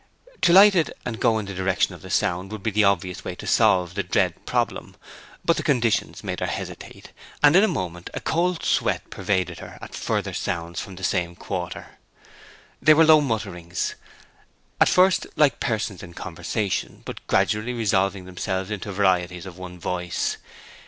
To light it and go in the direction of the sound would be the obvious way to solve the dread problem; but the conditions made her hesitate, and in a moment a cold sweat pervaded her at further sounds from the same quarter. They were low mutterings; at first like persons in conversation, but gradually resolving themselves into varieties of one voice.